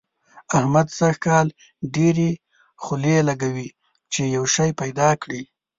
احمد سږ کال ډېرې خولې لګوي چي يو شی پيدا کړي.